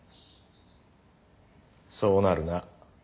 そうなるな。